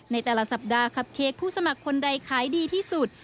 ในแต่ละสัปดาห์คับเค้กผู้สมัครคนใดขายดีที่สุด